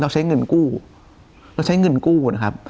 ใช้เงินกู้เราใช้เงินกู้นะครับ